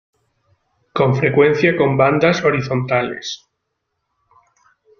Con frecuencia con bandas horizontales.